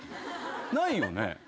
ないよね？